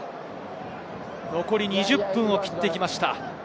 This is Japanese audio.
残り２０分を切ってきました。